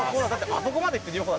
あそこまで行ってるよ。